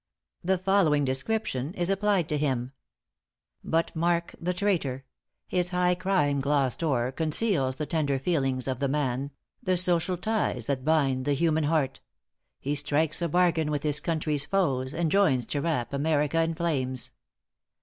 The following description is applied to him: ```"But mark the traitor his high crime glossed o'er ```Conceals the tender feelings of the man, ```The social ties that bind the human heart; ```He strikes a bargain with his country's foes, ```And joins to wrap America in flames.